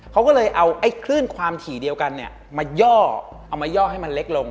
เค้าก็เลยเอาคลื่นความถี่เดียวกันมาย่อให้มันเล็กลง